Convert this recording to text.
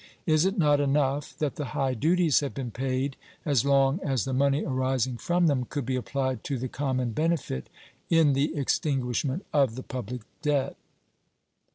Is it not enough that the high duties have been paid as long as the money arising from them could be applied to the common benefit in the extinguishment of the public debt?